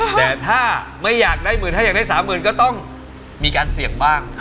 แต่ถ้าไม่อยากได้หมื่นถ้าอยากได้๓๐๐๐ก็ต้องมีการเสี่ยงบ้าง